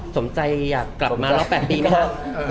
สมใจกลับมารับ๘ปีไหมคะ